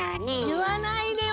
言わないでよ